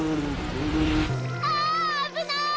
ああぶない！